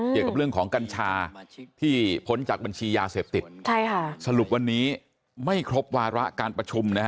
เกี่ยวกับเรื่องของกัญชาที่พ้นจากบัญชียาเสพติดสรุปวันนี้ไม่ครบวาระการประชุมนะฮะ